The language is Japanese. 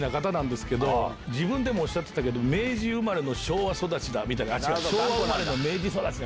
自分でもおっしゃってたけど明治生まれの昭和育ち違う。